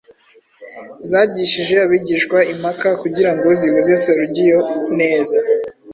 zagishije abigishwa impaka kugira ngo zibuze Serugiyo neza